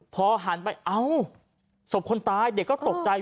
พอหันไปเอ้าศพคนตายเด็กก็ตกใจ